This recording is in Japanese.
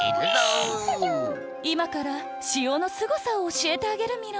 いまから塩のすごさをおしえてあげるミロ。